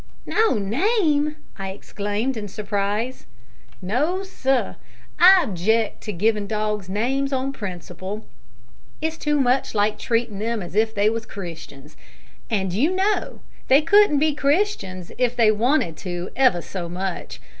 "No name!" I exclaimed, in surprise. "No, sir; I object to givin' dogs names on principle. It's too much like treatin' them as if they wos Christians; and, you know, they couldn't be Christians if they wanted to ever so much.